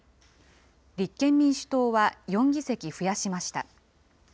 立憲民主党は４議席増やしました。